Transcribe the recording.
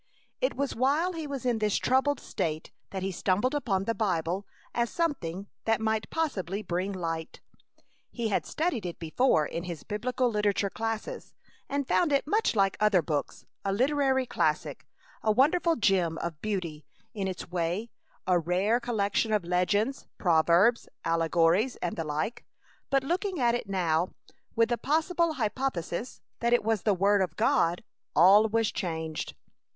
It was while he was in this troubled state that he stumbled upon the Bible as something that might possibly bring light. He had studied it before in his biblical literature classes, and found it much like other books, a literary classic, a wonderful gem of beauty in its way, a rare collection of legends, proverbs, allegories, and the like. But looking at it now, with the possible hypothesis that it was the Word of God, all was changed.